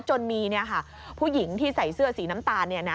จนมีผู้หญิงที่ใส่เสื้อสีน้ำตาล